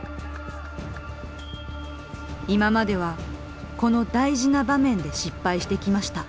今まではこの大事な場面で失敗してきました。